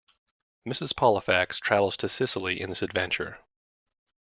Mrs. Pollifax travels to Sicily in this adventure.